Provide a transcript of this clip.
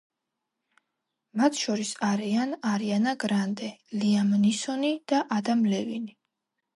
მათ შორის არიან არიანა გრანდე, ლიამ ნისონი და ადამ ლევინი.